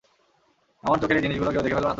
আমার চোখের এই জিনিসগুলো কেউ দেখে ফেলবে না তো?